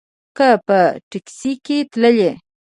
که په ټیکسي کې تللې.